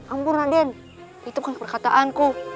ambur raden itu bukan perkataanku